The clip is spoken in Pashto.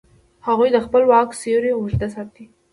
هغوی د خپل واک سیوری اوږده ساته.